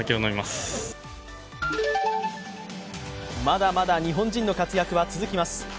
まだまだ日本人の活躍は続きます。